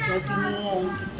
dia bingung gitu